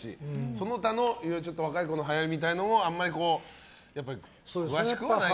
その他の、若い子のはやりみたいなものもあんまり詳しくはないと。